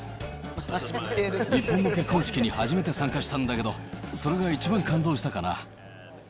日本の結婚式に初めて参加したんだけど、それが一番感動したかな。